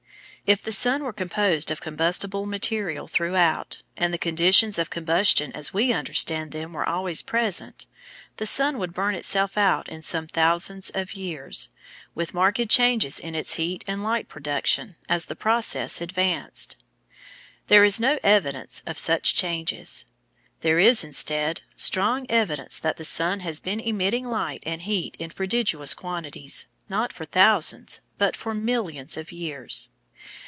If the sun were composed of combustible material throughout and the conditions of combustion as we understand them were always present, the sun would burn itself out in some thousands of years, with marked changes in its heat and light production as the process advanced. There is no evidence of such changes. There is, instead, strong evidence that the sun has been emitting light and heat in prodigious quantities, not for thousands, but for millions of years.